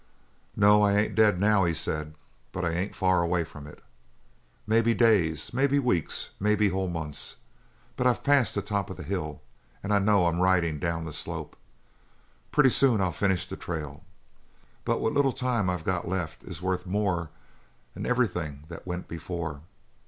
"No, I ain't dead now," he said, "but I ain't far away from it. Maybe days, maybe weeks, maybe whole months. But I've passed the top of the hill, and I know I'm ridin' down the slope. Pretty soon I'll finish the trail. But what little time I've got left is worth more'n everything that went before.